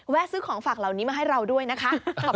ซื้อของฝากเหล่านี้มาให้เราด้วยนะคะ